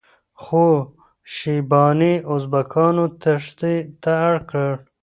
خو شیباني ازبکانو تیښتې ته اړ کړ.